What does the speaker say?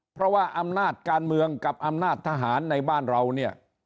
เพราะว่าอำนาจการเมืองกับอำนาจทหารในบ้านเราเนี่ย